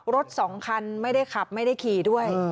รถสองคันไม่ได้ขับไม่ได้ขี่ด้วย